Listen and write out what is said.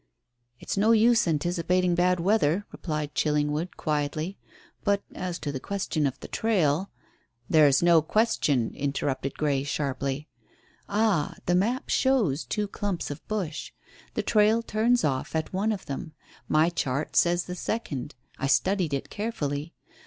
"It's no use anticipating bad weather," replied Chillingwood, quietly. "But as to the question of the trail " "There's no question," interrupted Grey, sharply. "Ah, the map shows two clumps of bush. The trail turns off at one of them. My chart says the second. I studied it carefully.